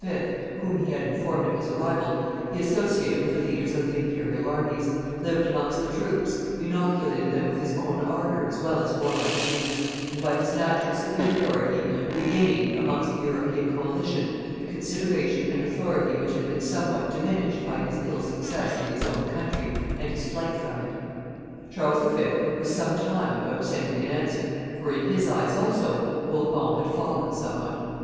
whom he had informed of his arrival, he associated with the leaders of the imperial armies, lived amongst the troops, inoculated them with his own ardor as well as warlike views, and by his natural superiority regained, amongst the European coalition, the consideration and authority which had been somewhat diminished by his ill success in his own country and his flight from it. Charles V. was some time about sending an answer; for, in his eyes also, Bourbon had fallen somewhat.